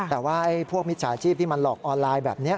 แต่ว่าพวกมิจฉาชีพที่มาหลอกออนไลน์แบบนี้